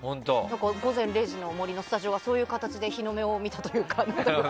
「午前０時の森」のスタジオがそういう形で日の目を見たというか。